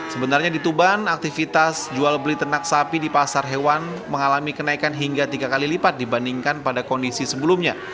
sebenarnya di tuban aktivitas jual beli ternak sapi di pasar hewan mengalami kenaikan hingga tiga kali lipat dibandingkan pada kondisi sebelumnya